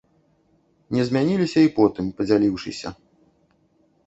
Не змяніліся і потым, падзяліўшыся.